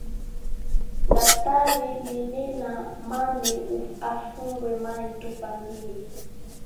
Daktari menena mame afungwe mai tupa mbili